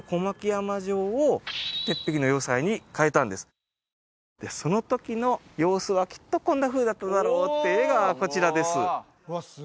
そこででその時の様子はきっとこんなふうだっただろうって絵がこちらです